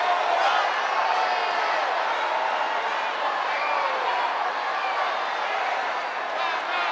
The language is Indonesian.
ketika akhirnya kamar itu heading vee